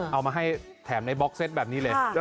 เอามาให้แถมในบล็อกเซตแบบนี้เลย